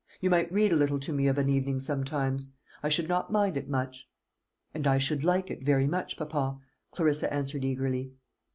You might read a little to me of an evening sometimes. I should not mind it much." "And I should like it very much, papa," Clarissa answered eagerly.